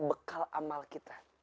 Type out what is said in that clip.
bekal amal kita